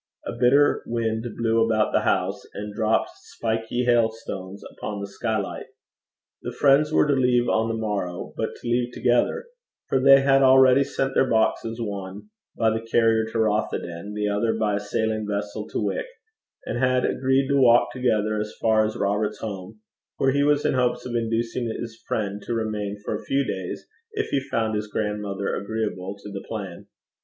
A bitter wind blew about the house, and dropped spiky hailstones upon the skylight. The friends were to leave on the morrow, but to leave together; for they had already sent their boxes, one by the carrier to Rothieden, the other by a sailing vessel to Wick, and had agreed to walk together as far as Robert's home, where he was in hopes of inducing his friend to remain for a few days if he found his grandmother agreeable to the plan.